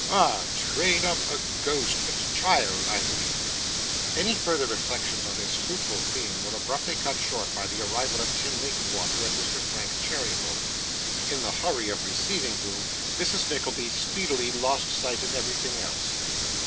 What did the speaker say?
Ah! Train up a Ghost child, I mean ' Any further reflections on this fruitful theme were abruptly cut short by the arrival of Tim Linkinwater and Mr. Frank Cheeryble; in the hurry of receiving whom, Mrs. Nickleby speedily lost sight of everything else.